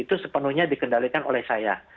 itu sepenuhnya dikendalikan oleh saya